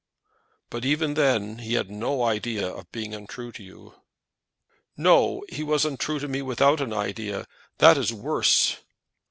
"But even then he had no idea of being untrue to you." "No; he was untrue without an idea. That is worse."